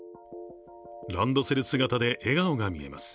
ランドセル姿で笑顔が見えます。